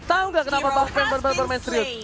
tau gak kenapa bang pen berbual bual main serius